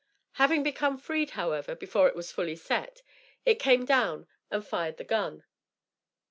Having become freed, however, before it was fully set, it came down and fired the gun.